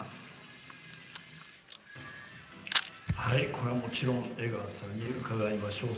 これはもちろん江川さんに伺いましょう。